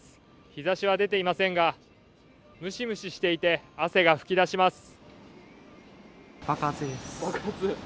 日ざしは出ていませんがムシムシしていて汗が噴き出します。